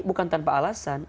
bukan tanpa alasan